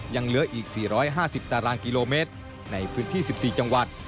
ยังเหลืออีก๔๕๐ตารางกิโลเมตรในพื้นที่๑๔จังหวัด